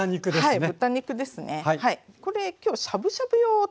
はい。